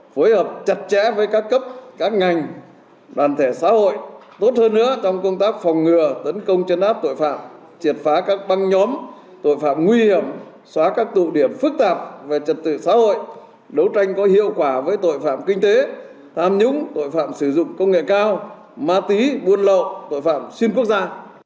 phối hợp chặt chẽ với các cấp các ngành đoàn thể xã hội tốt hơn nữa trong công tác phòng ngừa tấn công chấn áp tội phạm triệt phá các băng nhóm tội phạm nguy hiểm xóa các tụ điểm phức tạp về trật tự xã hội đấu tranh có hiệu quả với tội phạm kinh tế tham nhũng tội phạm sử dụng công nghệ cao ma tí buôn lộ tội phạm xuyên quốc gia